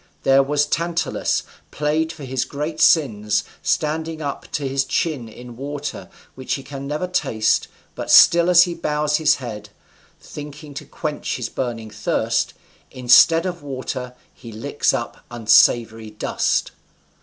There was Tantalus, plagued for his great sins, standing up to his chin in water, which he can never taste, but still as he bows his head, thinking to quench his burning thirst, instead of water he licks up unsavory dust.